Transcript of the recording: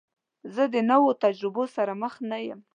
زه د نوو تجربو سره مخ نه یم.